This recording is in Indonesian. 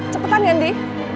cepetan ya andi